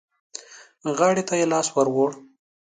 غاړې ته يې لاس ور ووړ.